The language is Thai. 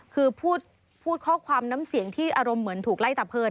คือพูดข้อความน้ำเสียงที่อารมณ์เหมือนถูกไล่ตะเพลิน